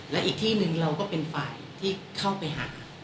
และอีกที่หนึ่งเราก็เป็นฝ่ายที่เข้าไปหา